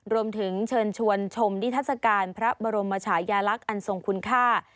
รวมถึงเชิญชวนชมนิทัศกาลพระบรมชายาลักษณ์อันทรงคุณค่า